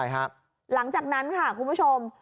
หลังจากนั้นค่ะคุณผู้ชม